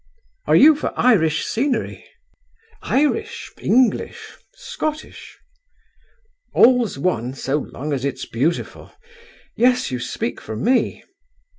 "Are you for Irish scenery?" "Irish, English, Scottish." "All's one so long as it's beautiful: yes, you speak for me.